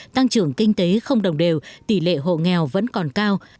tăng trưởng kinh tế không đồng đều tỷ lệ hộ nghèo vẫn còn cao